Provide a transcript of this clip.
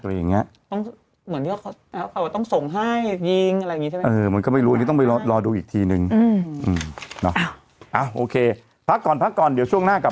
เหมือนที่เขาต้องส่งให้ยิงอะไรอย่างนี้ใช่ไหม